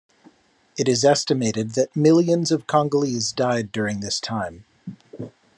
It is estimated that millions of Congolese died during this time.